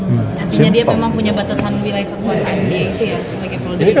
artinya dia memang punya batasan wilayah kekuasaan dia itu ya sebagai provinsi ya prof